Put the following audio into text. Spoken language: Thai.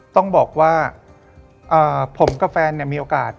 ต้องบอกว่าผมกับแฟนมีโอกาส